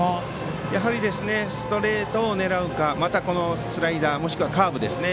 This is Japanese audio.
やはりストレートを狙うかまた、スライダーもしくはカーブですね。